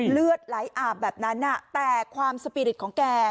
เลือดไหลอาบแบบนั้นแต่ความสปีริตของแก